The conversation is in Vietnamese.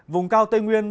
vùng cao tây nguyên